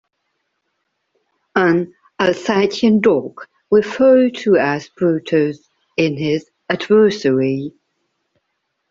An Alsatian dog, referred to as Brutus, is his adversary.